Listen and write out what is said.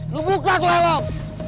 lu buka tuh helm